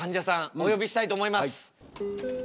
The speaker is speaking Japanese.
お呼びしたいと思います。